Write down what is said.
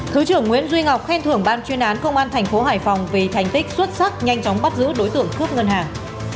thứ trưởng nguyễn duy ngọc khen thưởng ban chuyên án công an thành phố hải phòng vì thành tích xuất sắc nhanh chóng bắt giữ đối tượng cướp ngân hàng